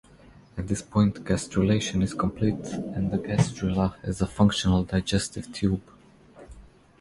At this point gastrulation is complete, and the gastrula has a functional digestive tube.